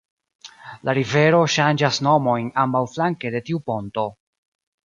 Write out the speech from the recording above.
La rivero ŝanĝas nomojn ambaŭflanke de tiu ponto.